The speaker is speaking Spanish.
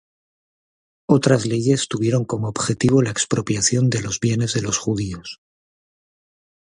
Otras leyes tuvieron como objetivo la expropiación de los bienes de los judíos.